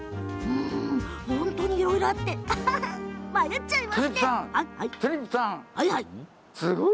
うん、本当にいろいろあって迷っちゃう。